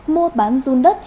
mô bán run đất